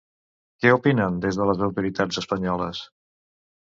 Què opinen des de les autoritats espanyoles?